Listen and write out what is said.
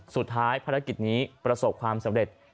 สุดท้ายภารกิจนี้ประสบความสำเร็จ